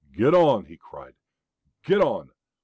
"Get on!" he cried; "get on!